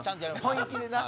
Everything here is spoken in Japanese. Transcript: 本意気でな。